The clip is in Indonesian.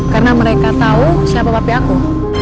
karena mereka tahu siapa papi aku